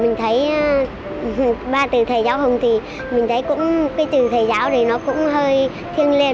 mình thấy ba từ thầy giáo hùng thì mình thấy cũng cái từ thầy giáo thì nó cũng hơi thiêng liên